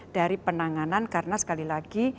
dari penanganan karena sekali lagi